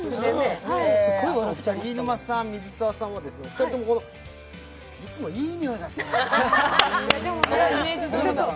飯沼さん、水沢さんは、いつもいい匂いがすると。